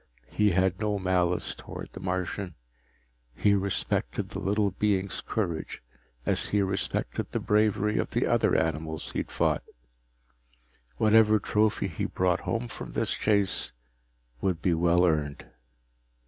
He had no malice toward the Martian; he respected the little being's courage as he respected the bravery of the other animals he had fought. Whatever trophy he brought home from this chase would be well earned.